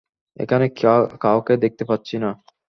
এখানে কাউকে দেখতে পাচ্ছি না।